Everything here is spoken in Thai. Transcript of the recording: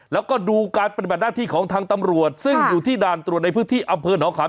แล้วก็ดูการปฏิบัติหน้าที่ของทางตำรวจซึ่งอยู่ที่ด่านตรวจในพื้นที่อำเภอหนองขาม